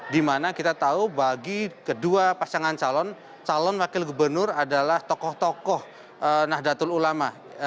dimana kita tahu bagi kedua pasangan calon calon wakil gubernur adalah tokoh tokoh nahdlatul ulama